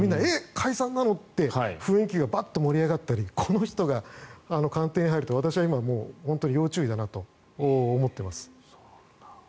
解散なの？って雰囲気がバッと盛り上がったりこの人が今、官邸に入ると私は要注意だなと思っています。